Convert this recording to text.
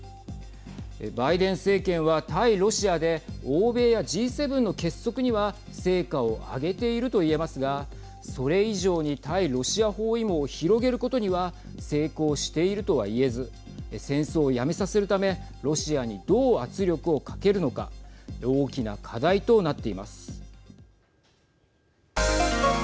バイデン政権は、対ロシアで欧米やＧ７の結束には成果を挙げているといえますがそれ以上に対ロシア包囲網を広げることには成功しているとはいえず戦争をやめさせるためロシアに、どう圧力をかけるのか大きな課題となっています。